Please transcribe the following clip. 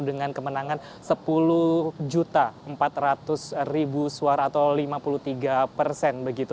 dengan kemenangan sepuluh empat ratus suara atau lima puluh tiga persen